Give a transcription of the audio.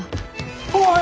おい！